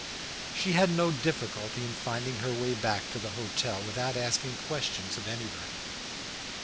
She had no difficulty in finding her way back to the hotel, without asking questions of anybody.